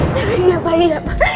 iya pak terima kasih pak